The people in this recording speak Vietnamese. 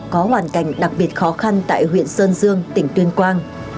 có hoàn cảnh đặc biệt khó khăn tại huyện sơn dương tỉnh tuyên quang